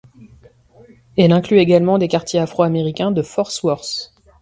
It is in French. Elle inclut également des quartiers afro-américains de Forth Worth.